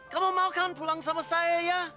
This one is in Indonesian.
kamu mau kan pulang sama saya ya